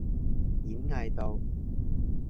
演藝道